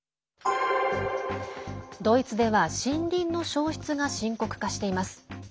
ドイツでは、森林の消失が深刻化しています。